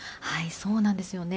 そうなんですよね。